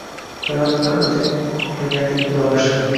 Hayot bilan o`zing xohlagandek vidolashding